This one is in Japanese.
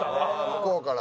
向こうから。